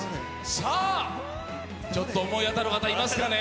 さあ、ちょっと思い当たる方、いますかね。